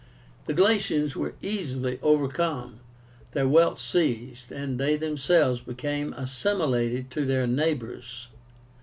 The Galatians were easily overcome, their wealth seized, and they themselves became assimilated to their neighbors.